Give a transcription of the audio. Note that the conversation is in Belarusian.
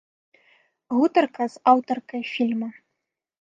Гутарка з аўтаркай фільма.